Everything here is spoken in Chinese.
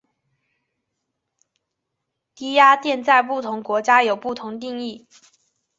低压电在不同国家有不同定义。